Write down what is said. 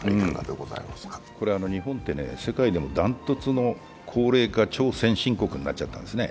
これ日本って世界でも断トツの高齢化先進国になっちゃったんですね。